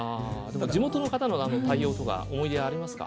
地元の方の対応とか思い出はありますか？